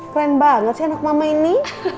keren banget sih anak mama ini